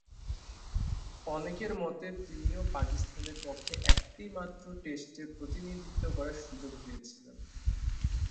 অনেকের মতো তিনিও পাকিস্তানের পক্ষে একটিমাত্র টেস্টে প্রতিনিধিত্ব করার সুযোগ পেয়েছেন।